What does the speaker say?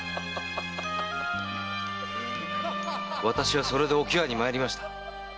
私はそれでお喜和にまいりました。